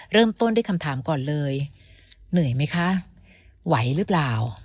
เริ่มต้นด้วยคำถามก่อนเลยเหนื่อยไหมคะไหวหรือเปล่า